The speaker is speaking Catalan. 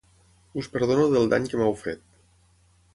Us perdono del dany que m'heu fet.